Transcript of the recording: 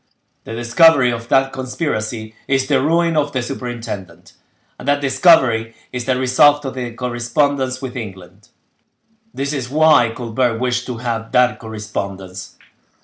The discovery of that conspiracy is the ruin of the superintendent, and that discovery is the result of the correspondence with England: this is why Colbert wished to have that correspondence.